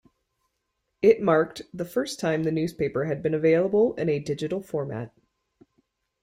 It marked the first time the newspaper had been available in a digital format.